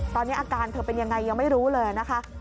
ตอนนี้อาการเธอเป็นยังไงยังไม่รู้เลยนะคะ